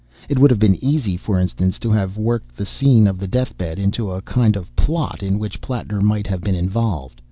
It would have been easy, for instance, to have worked the scene of the death bed into a kind of plot in which Plattner might have been involved.